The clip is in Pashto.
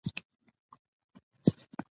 قانون د مشروع واک روښانه تعریف وړاندې کوي.